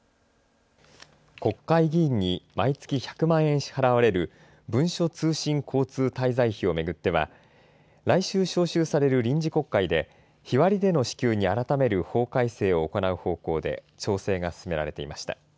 国会議員に毎月１００万円支払われる文書通信交通滞在費を巡っては、来週召集される臨時国会で、日割りでの支給に改める法改正を行う方向で、調整が進められていました。